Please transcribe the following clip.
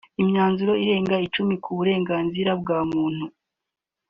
imyanzuro irenga icumi ku burenganzira bwa muntu